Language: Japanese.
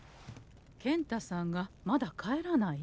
健太さんがまだ帰らない？